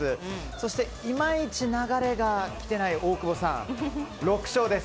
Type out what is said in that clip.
そして、今いち流れが来ていない大久保さん、６勝です。